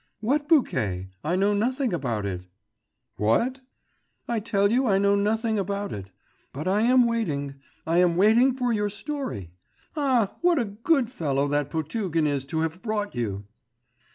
'What bouquet? I know nothing about it.' 'What?' 'I tell you I know nothing about it.... But I am waiting.... I am waiting for your story.... Ah, what a good fellow that Potugin is to have brought you!